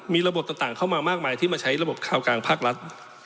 มีระบบต่างเข้ามามากมายที่มาใช้ระบบคราวกลางภาครัฐ